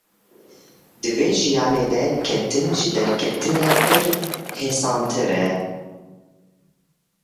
Di vê jiyanê de ketin ji derketinê pir hêsantir e.